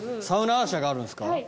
サウナアー写があるんですか？